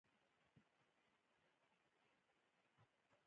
غزني د افغانستان د چاپیریال ساتنې لپاره ډیر مهم ځای دی.